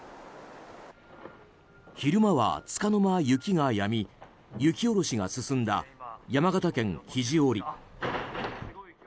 昼間はつかの間、雪がやみ雪下ろしが進んだ山形県肘折。